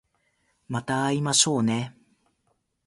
また会いましょうね